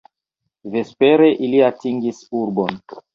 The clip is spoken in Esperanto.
Vespere ili atingis urbon.